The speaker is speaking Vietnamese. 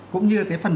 cũng như là cái phần